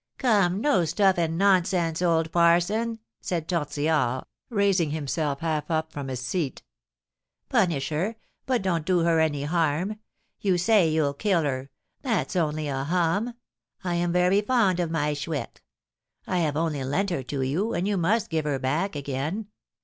"Come, no stuff and nonsense, old parson," said Tortillard, raising himself half up from his seat; "punish her, but don't do her any harm. You say you'll kill her, that's only a hum; I am very fond of my Chouette; I have only lent her to you, and you must give her back again.